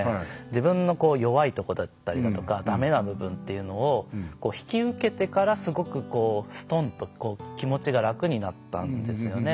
自分の弱いとこだったりだとかだめな部分っていうのを引き受けてからすごくすとんと気持ちが楽になったんですよね。